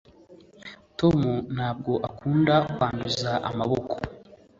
tom ntabwo akunda kwanduza amaboko